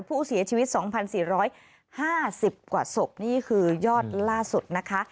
ผู้เสียชีวิต๒๔๕๐กว่าศพนี่คือยอดล่าสุดนะคะ